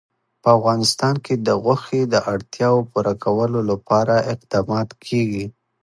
په افغانستان کې د غوښې د اړتیاوو پوره کولو لپاره اقدامات کېږي.